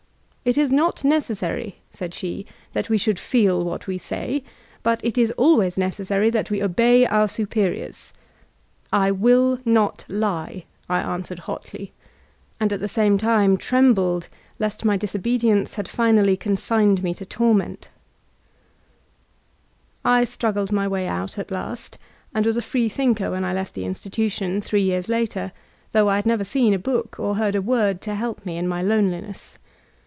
"It is not necessary/' said she, "that we should feel what we say, but it is alwajfs necessary that wc obey our superiors/* "I will not lie," I answered hotly, and at the same time trembled lest my disobedience had finally consigned me to torment 1 I struggled my way out at last, and was a freethinker when I left the mstitution, three years later, though I had never seen a book or heard a word to help me in my k>neliness.